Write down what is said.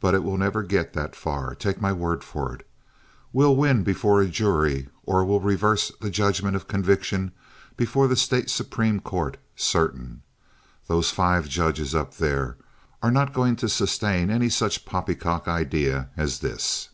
But it will never get that far—take my word for it. We'll win before a jury, or we'll reverse the judgment of conviction before the State Supreme Court, certain. Those five judges up there are not going to sustain any such poppycock idea as this."